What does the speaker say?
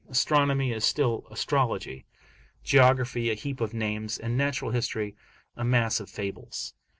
Astronomy is still astrology, geography a heap of names, and natural history a mass of fables.